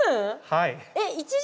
はい。